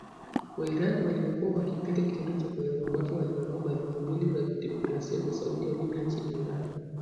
WaIran waliokuwa wakipinga kitendo cha kunyongwa kwake, walivamia balozi mbili za kidiplomasia za Saudi Arabia nchini Iran.